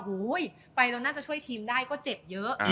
ไปแล้วน่าจะช่วยทีมได้ก็เจ็บเยอะ